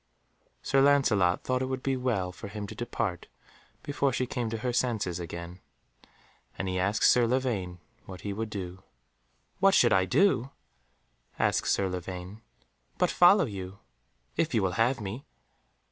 Sir Lancelot thought it would be well for him to depart before she came to her senses again, and he asked Sir Lavaine what he would do. "What should I do?" asked Sir Lavaine, "but follow you, if you will have me."